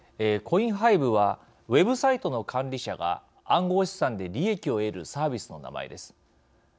コインハイブはウェブサイトの管理者が暗号資産で利益を得るサービスの名前です。